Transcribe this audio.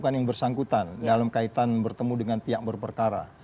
bukan yang bersangkutan dalam kaitan bertemu dengan pihak berperkara